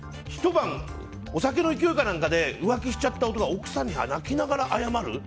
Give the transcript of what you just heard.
お酒の勢いか何かで浮気しちゃった男が奥さんに泣きながら謝る？